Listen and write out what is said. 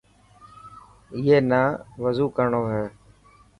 اي نا وضو ڪرڻو هي.